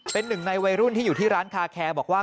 เป็นหนึ่งในวัยรุ่นที่อยู่ที่ร้านคาแคร์บอกว่า